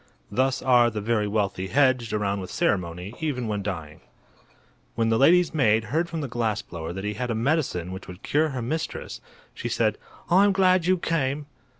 Thus are the very wealthy hedged around with ceremony, even when dying. When the lady's maid heard from the glass blower that he had a medicine which would cure her mistress, she said: "I'm glad you came."